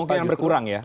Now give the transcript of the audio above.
kemungkinan berkurang ya